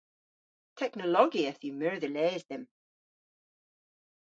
Teknologieth yw meur dhe les dhymm.